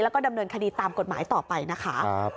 แล้วก็ดำเนินคดีตามกฎหมายต่อไปนะคะ